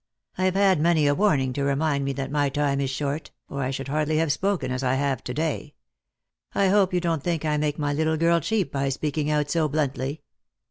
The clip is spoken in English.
I have had many a warning to remind me that my time is short, or I should hardly have spoken as I have to day. I hope you don't think I make my little girl cheap by speaking out so bluntly.